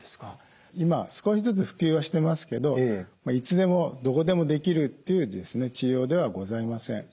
今少しずつ普及はしてますけどいつでもどこでもできるっていう治療ではございません。